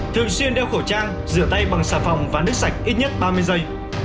thường xuyên đeo khẩu trang rửa tay bằng xà phòng và nước sạch ít nhất ba mươi giây